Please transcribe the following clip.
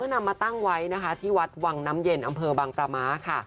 เพิ่มนำมาตั้งไว้ในวัดวังน้ำเย็นบร้ำพระมะค่ะ